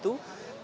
ketua umum pdip